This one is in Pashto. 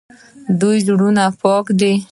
د دوی زړونه پاک دي.